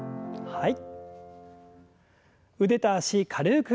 はい。